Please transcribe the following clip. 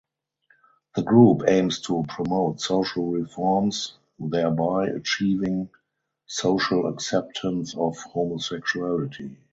The group aims to "promote social reforms thereby achieving social acceptance of homosexuality".